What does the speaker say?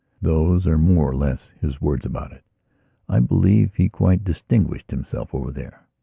Those are more or less his words about it. I believe he quite distinguished himself over there.